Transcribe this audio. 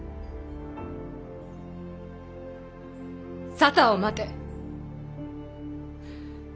沙汰を待て。